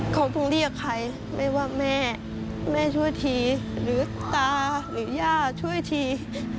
ใครไม่ว่าแม่แม่ช่วยทีหรือตาหรือย่าย่างช่วยที